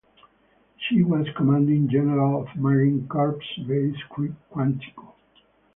She was commanding general of Marine Corps Base Quantico.